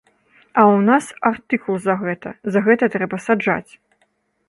А ў нас артыкул за гэта, за гэта трэба саджаць.